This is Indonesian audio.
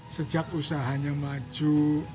sejak usahanya maju